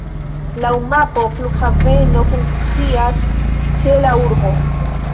Laŭ mapo flughaveno funkcias ĉe la urbo.